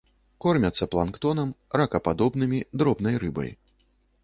Кормяцца планктонам, ракападобнымі, дробнай рыбай.